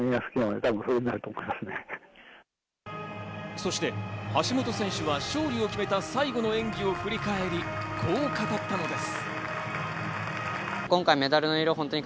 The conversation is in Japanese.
そして橋本選手は勝利を決めた最後の演技を振り返り、こう語ったのです。